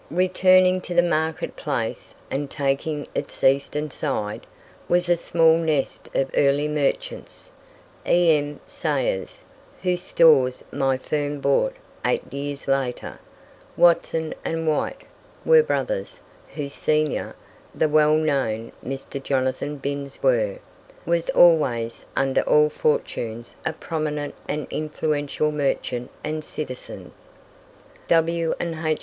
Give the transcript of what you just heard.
Returning to the market place, and taking its eastern side, was a small nest of early merchants E.M. Sayers, whose stores my firm bought eight years later; Watson and Wight; Were Brothers, whose senior, the well known Mr. Jonathan Binns Were, was always, under all fortunes, a prominent and influential merchant and citizen; W. and H.